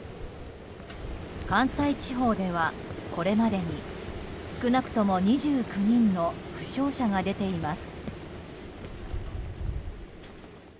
関西地方ではこれまでに少なくとも２９人の負傷者が出ています。